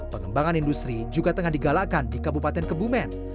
pengembangan industri juga tengah digalakan di kabupaten kebumen